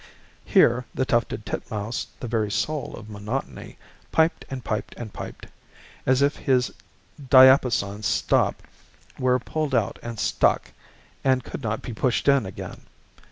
Here the tufted titmouse, the very soul of monotony, piped and piped and piped, as if his diapason stop were pulled out and stuck, and could not be pushed in again.